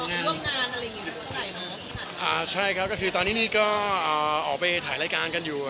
เสิดมาอยู่บ้างคือถึงแล้วเนี้ยตอนนี้ก็ออกไปถ่ายรายการกันอยู่ครับ